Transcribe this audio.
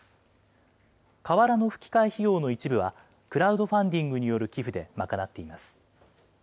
瓦のふき替え費用の一部は、クラウドファンディングによる寄付でまかなっています。